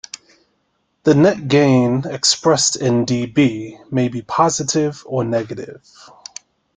The net gain expressed in dB may be positive or negative.